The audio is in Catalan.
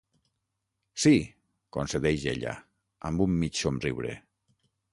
Sí —concedeix ella, amb un mig somriure.